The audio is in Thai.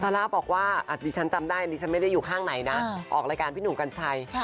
ล่าบอกว่าดิฉันจำได้ดิฉันไม่ได้อยู่ข้างไหนนะออกรายการพี่หนุ่มกัญชัย